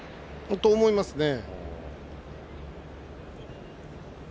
そう思いますね。